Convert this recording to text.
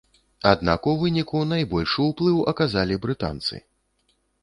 Аднак у выніку найбольшы ўплыў аказалі брытанцы.